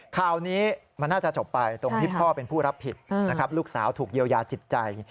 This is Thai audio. ข่าวนี้มันน่าจะจบไปตรงที่พ่อเป็นผู้รับผิดนะครับลูกสาวถูกเยียวยาจิตใจ